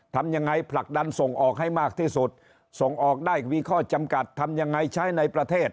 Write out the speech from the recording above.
ทำยังไงผลักดันส่งออกให้มากที่สุดส่งออกได้มีข้อจำกัดทำยังไงใช้ในประเทศ